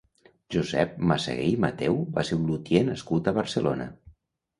Joseph Massaguer i Matheu va ser un lutier nascut a Barcelona.